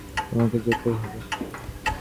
তোমাকে যেতেই হবে।